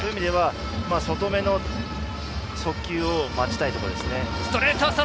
外の速球を待ちたいところですね。